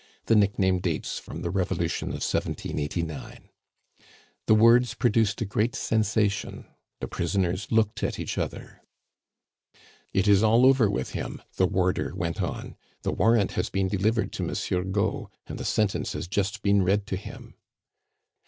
The nickname dates from the Revolution of 1789. The words produced a great sensation. The prisoners looked at each other. "It is all over with him," the warder went on; "the warrant has been delivered to Monsieur Gault, and the sentence has just been read to him."